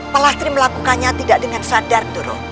pak lasri melakukannya tidak dengan sadar doro